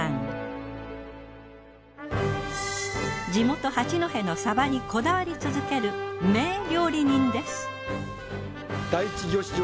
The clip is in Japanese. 地元八戸のサバにこだわり続ける名料理人です。